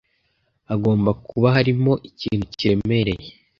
Hagomba kuba harimo ikintu kiremereye.